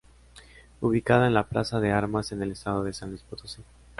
Ubicada en la plaza de Armas en el Estado de San Luis Potosí.